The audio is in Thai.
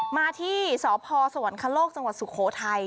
มาที่สพสวรรคโลกจังหวัดสุโขทัย